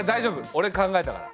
おれ考えたから。